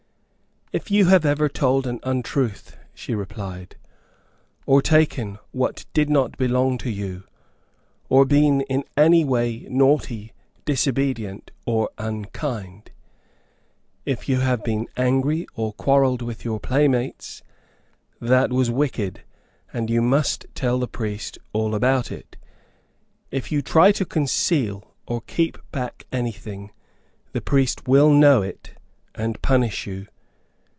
"If you have ever told an untruth;" she replied, "or taken what did not belong to you, or been in any way naughty, disobedient, or unkind; if you have been angry, or quarrelled with your playmates, that was wicked, and you must tell the priest all about it If you try to conceal, or keep back anything, the priest will know it and punish you.